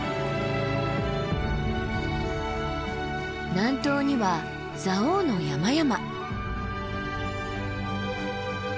南東には蔵王の山々。